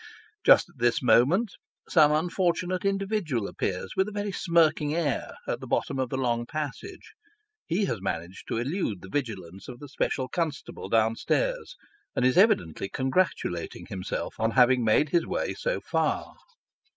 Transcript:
Just at this moment some unfortunate individual appears, with a very smirking air, at the bottom of the long passage. He has managed to elude the vigilance of the special constable down stairs, and is evidently congratulating himself on having made his way so far.